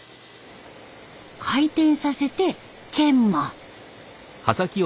回転させて研磨。